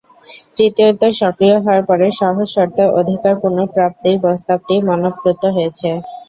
তৃতীয়ত, সক্রিয় হওয়ার পরে সহজ শর্তে অধিকার পুনঃপ্রাপ্তির প্রস্তাবটি মনঃপ্লুত হয়েছে।